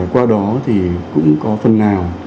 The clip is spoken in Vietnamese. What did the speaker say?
qua đó thì cũng có phần nào